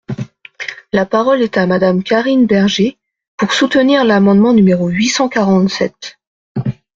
La parole est à Madame Karine Berger, pour soutenir l’amendement numéro huit cent quarante-sept.